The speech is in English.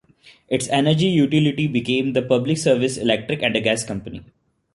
Its energy utility became the Public Service Electric and Gas Company.